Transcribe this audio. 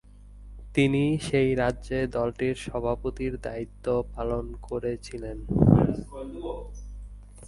তিনি সেই রাজ্যে দলটির সভাপতির দায়িত্ব পালন করেছিলেন।